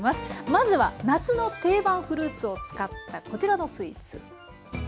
まずは夏の定番フルーツを使ったこちらのスイーツ。